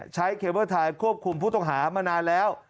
เคเบิ้ลไทยควบคุมผู้ต้องหามานานแล้ว